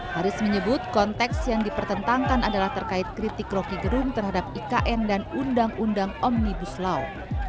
haris menyebut konteks yang dipertentangkan adalah terkait kritik roky gerung terhadap ikn dan undang undang omnibus law